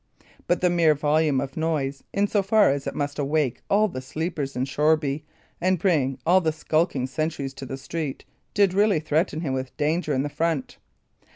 But the mere volume of noise, in so far as it must awake all the sleepers in Shoreby and bring all the skulking sentries to the street, did really threaten him with danger in the front.